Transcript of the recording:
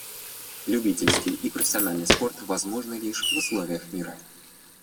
Любительский и профессиональный спорт возможны лишь в условиях мира.